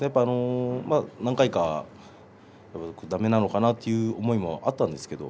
何回かだめなのかなという思いもあったんですけれど